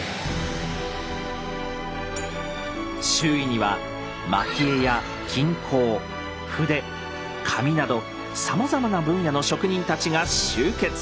周囲には蒔絵や金工筆紙などさまざまな分野の職人たちが集結。